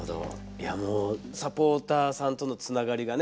いやもうサポーターさんとのつながりがね